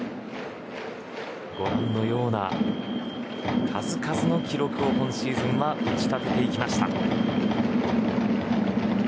ご覧のような数々の記録を今シーズンは打ち立てていきました。